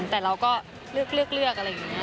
แต่เราก็เลือกอะไรอย่างนี้